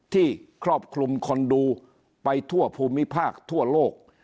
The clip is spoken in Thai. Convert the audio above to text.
ครอบคลุมคนดูไปทั่วภูมิภาคทั่วโลก